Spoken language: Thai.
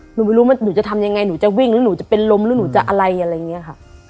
หนูไม่รู้ว่าหนูจะทำยังไงหนูจะวิ่งหรือหนูจะเป็นลมหรือหนูจะอะไรอะไรอย่างนี้ค่ะ